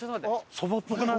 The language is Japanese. そばっぽくない？